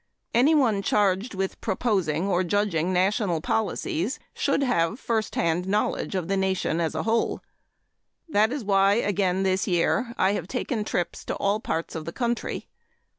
Anyone charged with proposing or judging national policies should have first hand knowledge of the nation as a whole. That is why again this year I have taken trips to all parts of the country.